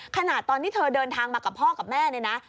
ขณะตอนที่เธอเดินทางมากับพ่อกับแม่เนี่ยนะ